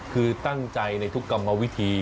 คือตั้งใจในทุกกรรมวิธี